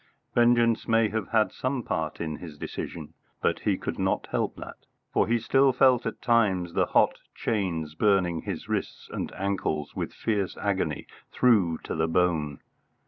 Vengeance may have had some part in his decision, but he could not help that, for he still felt at times the hot chains burning his wrists and ankles with fierce agony through to the bone.